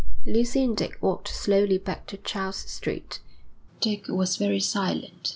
Lucy and Dick walked slowly back to Charles Street. Dick was very silent.